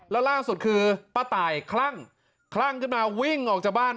แล้วล่าสุดคือป้าตายคลั่งคลั่งขึ้นมาวิ่งออกจากบ้าน